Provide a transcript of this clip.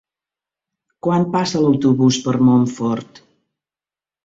Quan passa l'autobús per Montfort?